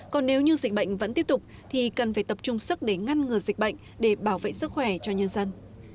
còn nếu như dịch bệnh vẫn tiếp tục thì cần phải tập trung sức để ngăn ngừa dịch bệnh để bảo vệ sức khỏe cho nhân dân